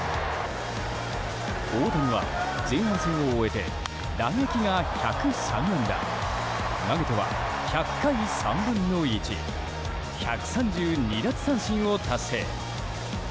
大谷は前半戦を終えて打撃が１０３安打投げては１００回３分の１１３２奪三振を達成。